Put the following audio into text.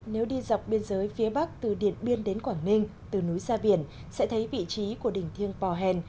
nếu đi dọc biên giới phía bắc từ điện biên đến quảng ninh từ núi ra biển sẽ thấy vị trí của đỉnh thiêng pò hèn